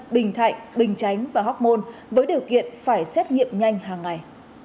bình thạnh bình chánh và hóc môn với điều kiện phải xét nghiệm nhanh hàng ngày